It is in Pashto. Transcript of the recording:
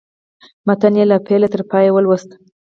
متن یې له پیله تر پایه ولوست.